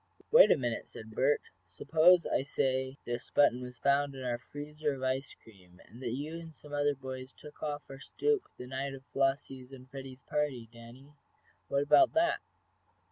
"Wait a minute," said Bert. "Suppose I say that this button was found in our freezer of ice cream, that you and some other boys took off our stoop the night of Flossie's and Freddie's party, Danny? What about that?"